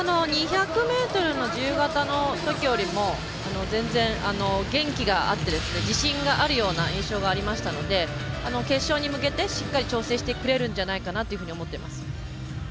２００ｍの自由形のときよりも全然、元気があって自信があるような印象がありましたので決勝に向けて、しっかり調整してくれるんじゃないかなと思っています。